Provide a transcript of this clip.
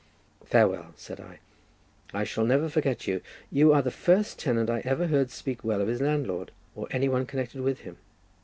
"Farewell," said I; "I shall never forget you; you are the first tenant I ever heard speak well of his landlord, or any one connected with him."